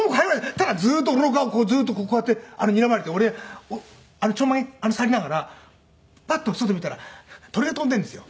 ただずっと俺の顔をずっとこうやってにらまれて俺ちょんまげ触りながらパッと外見たら鳥が飛んでいるんですよ。